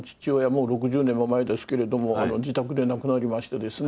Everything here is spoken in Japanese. もう６０年も前ですけれども自宅で亡くなりましてですね